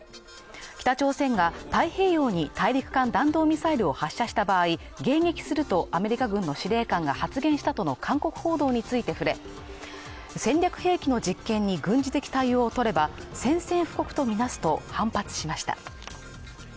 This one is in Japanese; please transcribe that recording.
北朝鮮が太平洋に大陸間弾道ミサイルを発射した場合、迎撃するとアメリカ軍の司令官が発言したとの韓国報道について触れ、戦略兵器の実験に軍事的対応をとれば、宣戦布告とみなすと反発しました。